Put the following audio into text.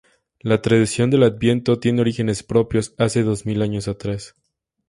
La tradición del Adviento tiene orígenes propios, hace dos mil años atrás.